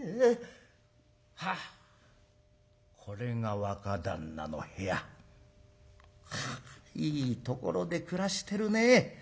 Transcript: はっこれが若旦那の部屋。かいいところで暮らしてるね。